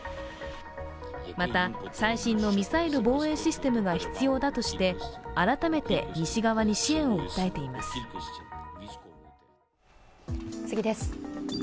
また、最新のミサイル防衛システムが必要だとして改めて西側に支援を訴えています。